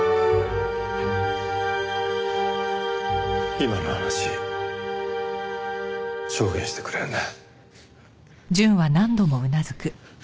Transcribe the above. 今の話証言してくれるね？